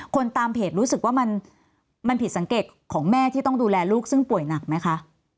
ตามเพจรู้สึกว่ามันผิดสังเกตของแม่ที่ต้องดูแลลูกซึ่งป่วยหนักไหมคะ